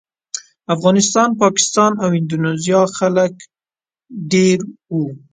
افغانستان، پاکستان او اندونیزیا خلک ډېر وو.